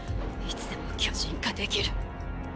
いつでも巨人化できる。